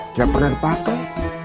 tiap pernah dipakai